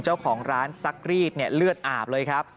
เจ้าของร้านซักรีดเนี่ยเลือดอาบเลยครับ